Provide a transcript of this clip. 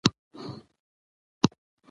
د کندهار يوه ولسوالي ميوند ده